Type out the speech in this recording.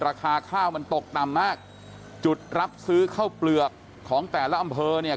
ราคาข้าวมันตกต่ำมากจุดรับซื้อข้าวเปลือกของแต่ละอำเภอเนี่ย